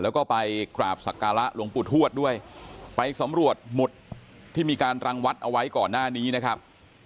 แล้วก็ไปกราบสักการะหลวงปู่ทวดด้วยไปสำรวจหมุดที่มีการรังวัดเอาไว้ก่อนหน้านี้นะครับ